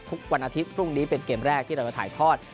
ทุกวันอาทิตย์พรุ่งนี้เป็นเกมแรกที่เราจะถ่ายทอด